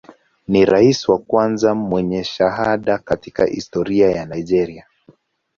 Ni rais wa kwanza mwenye shahada katika historia ya Nigeria.